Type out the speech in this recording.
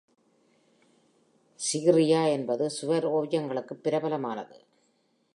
Sigirirya என்பது சுவர் ஓவியங்களுக்குப் பிரபலமானது.